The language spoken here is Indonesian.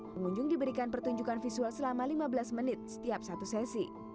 pengunjung diberikan pertunjukan visual selama lima belas menit setiap satu sesi